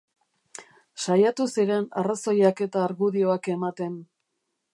Saiatu ziren arrazoiak eta argudioak ematen.